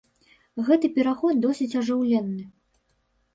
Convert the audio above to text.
Гэты пераход досыць ажыўлены.